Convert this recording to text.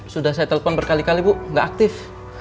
sudah saya telepon berkali kali bu nggak aktif